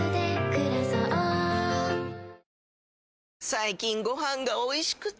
最近ご飯がおいしくて！